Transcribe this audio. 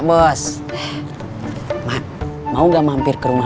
kejam rumahnya terus ngantrp kata fraps n suk